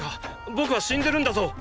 僕は死んでるんだぞ